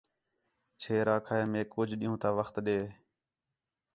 چھیر آکھا ہے میک کُج ݙِین٘ہوں تا وخت ݙے